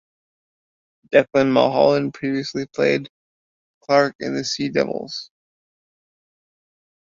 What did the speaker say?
Declan Mulholland previously played Clark in "The Sea Devils".